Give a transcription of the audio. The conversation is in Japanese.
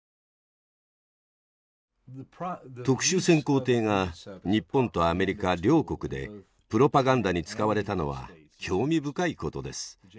特殊潜航艇が日本とアメリカ両国でプロパガンダに使われたのは興味深いことです。